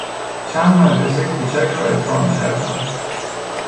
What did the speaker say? چند مدرسهی کوچک را ادغام کردن